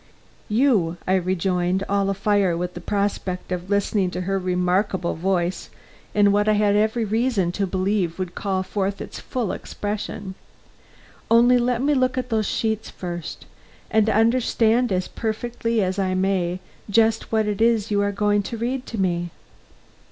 "You," I rejoined, all afire with the prospect of listening to her remarkable voice in what I had every reason to believe would call forth its full expression. "Only let me look at those sheets first, and understand as perfectly as I may, just what it is you are going to read to me."